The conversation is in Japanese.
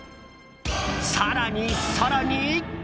更に更に！